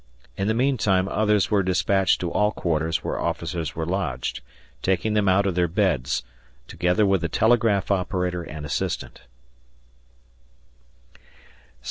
In the meantime others were dispatched to all quarters where officers were lodged, taking them out of their beds, together with the telegraph operator and assistant.